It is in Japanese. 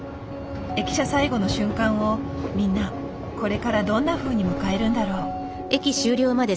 駅舎最後の瞬間をみんなこれからどんなふうに迎えるんだろう。